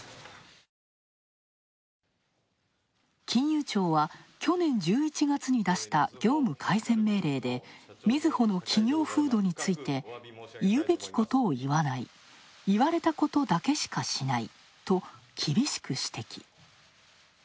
金融庁は去年１１月に出した業務改善命令でみずほの企業風土について、いうべきことを言わない、言われたことだけしかしないと、厳しく指摘。